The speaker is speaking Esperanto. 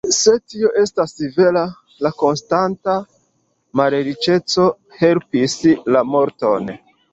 Se tio estas vera, la konstanta malriĉeco helpis la morton.